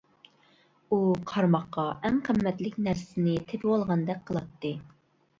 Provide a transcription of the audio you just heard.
ئۇ قارماققا ئەڭ قىممەتلىك نەرسىسىنى تېپىۋالغاندەك قىلاتتى.